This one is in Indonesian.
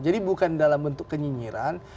jadi bukan dalam bentuk kenyinyiran